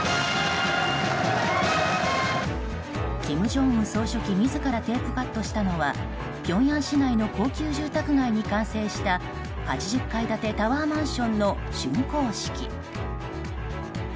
金正恩総書記自らテープカットしたのはピョンヤン市内の高級住宅街に完成した８０階建てタワーマンションの竣工式。